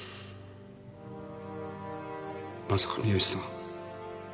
まさか三好さん。